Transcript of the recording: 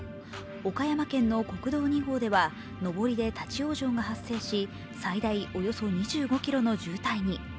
岡山県の国道２号では上りで立往生が発生し最大およそ２５ｋｍの渋滞に。